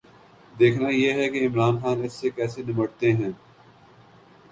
دیکھنا یہ ہے کہ عمران خان اس سے کیسے نمٹتے ہیں۔